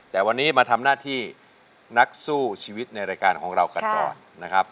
แต่วันนี้มาทำหน้าที่นักสู้ชีวิตในรายการของเรากันก่อนนะครับ